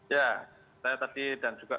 ya saya tadi dan juga